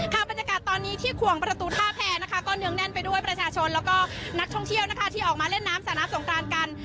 บรรยากาศตอนนี้ที่ขวงประตูท่าแพรนะคะก็เนื้องแน่นไปด้วยประชาชนแล้วก็นักท่องเที่ยวนะคะที่ออกมาเล่นน้ำสาน้ำสงกรานกัน